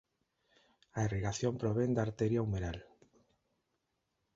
A irrigación provén da arteria umeral.